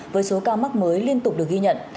với số ca mắc mới liên tục được ghi nhận